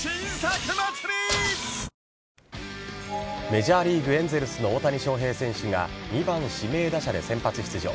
メジャーリーグエンゼルスの大谷翔平選手が２番・指名打者で先発出場。